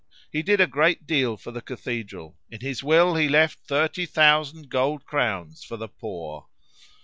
He did a great deal for the cathedral. In his will he left thirty thousand gold crowns for the poor."